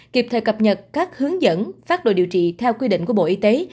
kịp thời cập nhật các hướng dẫn phát đồ điều trị theo quy định của bộ y tế